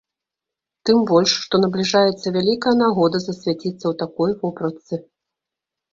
Тым больш, што набліжаецца вялікая нагода засвяціцца ў такой вопратцы.